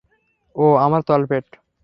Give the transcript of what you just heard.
ওঃ আমার তলপেট।